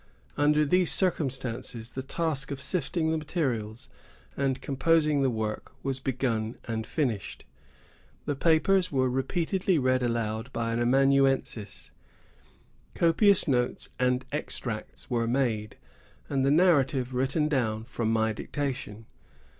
Under these circumstances, the task of sifting the materials and composing the work was begun and finished. The papers were repeatedly read aloud by an amanuensis, copious notes and extracts were made, and the narrative written down from my dictation.